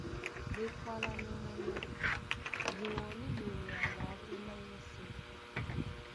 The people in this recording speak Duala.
Ɓé kwálánɛ́ mɔ́ ná:Di wɔlí ɓolea wǎ póndá yɛ́sɛ̄.